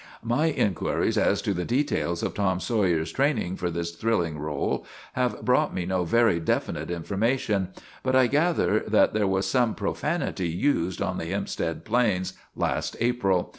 My inquiries as to the details of Tom Sawyer's training for this thrilling role have brought me no very definite information, but I gather that there was some profanity used on the Hempstead Plains last April.